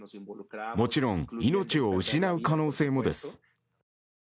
もちろん命を失う可能性もです。